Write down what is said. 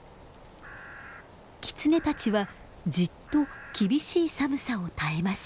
キツネたちはじっと厳しい寒さを耐えます。